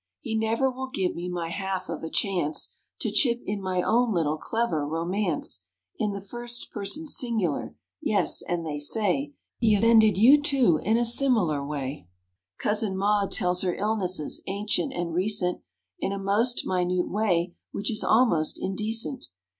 He never will give me my half of a chance To chip in my own little, clever romance In the first person singular. Yes, and they say, He offended you, too, in a similar way. Cousin Maud tells her illnesses, ancient and recent, In a most minute way which is almost indecent!